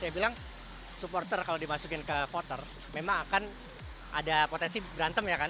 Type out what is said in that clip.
saya bilang supporter kalau dimasukin ke voter memang akan ada potensi berantem ya kan